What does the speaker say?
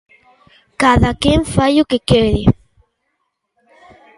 Cadaquén fai o que quere.